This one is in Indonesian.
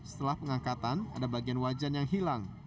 setelah pengangkatan ada bagian wajan yang hilang